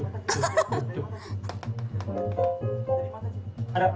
ini mata sih